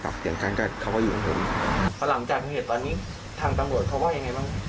ทางจังหวัดเขาก็ว่ายังไงบ้าง